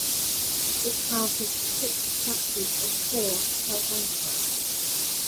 It houses six statues of four tirthankaras.